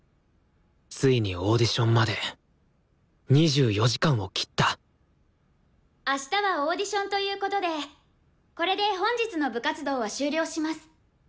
ついにオーディションまで２４時間を切ったあしたはオーディションということでこれで本日の部活動は終了します。